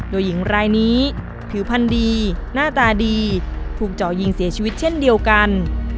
โดยหญิงรายนี้ผิวพันธุ์ดีหน้าตาดีถูกเจาะยิงเสียชีวิตเช่นเดียวกัน